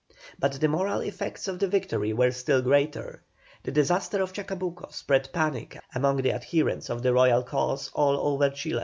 But the moral effects of the victory were still greater; the disaster of Chacabuco spread panic among the adherents of the Royal cause all over Chile.